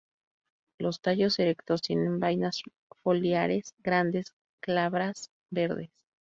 Los tallos erectos tienen vainas foliares grandes, glabras, verdes.